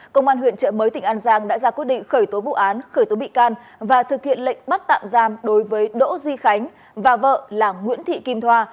công an huyện trợ mới tỉnh an giang đã ra quyết định khởi tố vụ án khởi tố bị can và thực hiện lệnh bắt tạm giam đối với đỗ duy khánh và vợ là nguyễn thị kim thoa